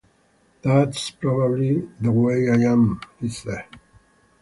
That's probably the way I am, he said.